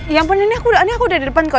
ya ampun ini aku udah di depan kok